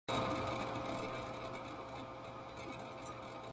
The side doors featured carbon-fibre side impact protection.